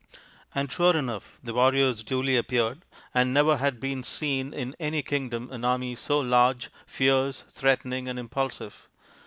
" And sure enough the warriors duly appeared, and never had been seen in any kingdom an army so large, fierce, threatening, and impulsive.